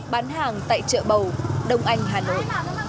bán hàng tại chợ bầu đông anh hà nội